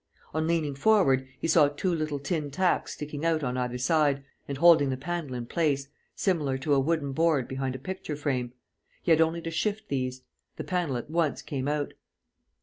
On leaning forward, he saw two little tin tacks sticking out on either side and holding the panel in place, similar to a wooden board behind a picture frame. He had only to shift these. The panel at once came out.